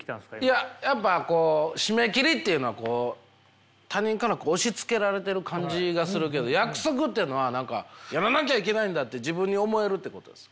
いややっぱこう締め切りっていうのは他人から押しつけられてる感じがするけど約束っていうのはやらなきゃいけないんだって自分に思えるってことです。